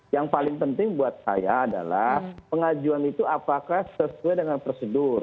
yang paling penting buat saya adalah pengajuan itu apakah sesuai dengan prosedur